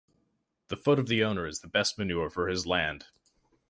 The foot of the owner is the best manure for his land.